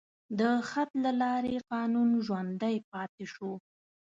د خط له لارې قانون ژوندی پاتې شو.